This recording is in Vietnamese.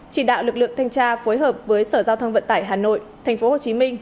chỉ đạo lực lượng thanh tra phối hợp với sở giao thông vận tải hà nội tp hcm